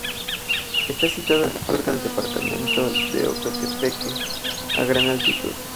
Está situado al sur del departamento de Ocotepeque, a gran altitud.